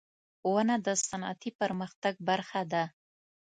• ونه د صنعتي پرمختګ برخه ده.